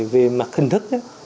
về mặt hình thức á